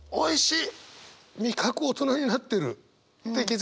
おいしい。